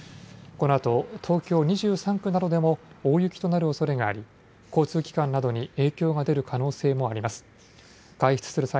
このあと東京２３区などでも大雪となるおそれがあり交通機関などに影響が出る可能性もあります。